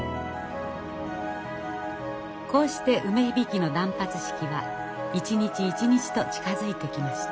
こうして梅響の断髪式は一日一日と近づいてきました。